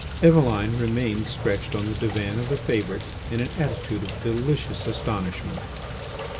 Eveline remained stretched on the Divan of the Favourite in an attitude of delicious astonishment.